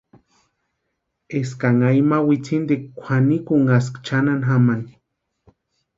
Éskanha ima witsintikwa kwʼanikunhaska chʼanani jamani.